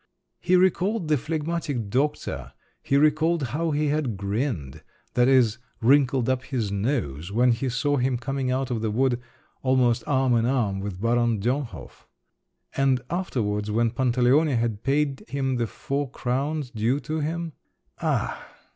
He recalled the phlegmatic doctor, he recalled how he had grinned, that is, wrinkled up his nose when he saw him coming out of the wood almost arm in arm with Baron Dönhof. And afterwards when Pantaleone had paid him the four crowns due to him … Ah!